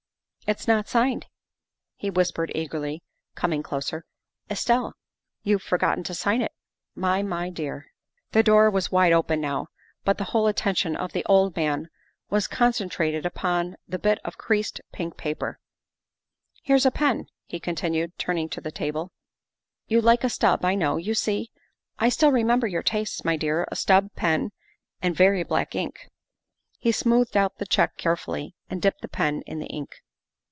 It's not signed," he whispered eagerly, coming closer. " Estelle, you've forgotten to sign it, my my dear." The door was wide open now, but the whole attention of the old man was concentrated upon the bit of creased pink paper. ' Here's a pen," he continued, turning to the table; " you like a stub, I know. You see, I still remember your tastes, my dear a stub pen and very black ink. '' He smoothed out the check carefully and dipped the pen in the ink.